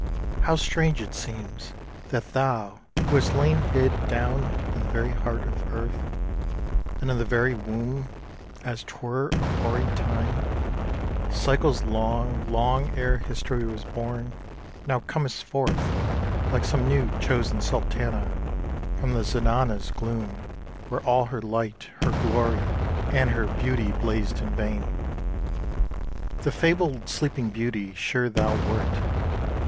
How strange it seems that thou who hast lain hid Down in the very heart of Earth; and in The very womb, as 'twere, of hoary Time, Cycles long, long ere History was born, Now comest forth, like some new chos'n Sultana From the zenana's gloom, where all her light, Her glory, and her beauty, blazed in vain! The fabled Sleeping Beauty sure thou wert!